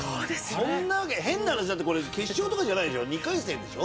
そんなわけ変な話だってこれ決勝とかじゃない２回戦でしょ。